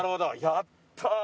やったー！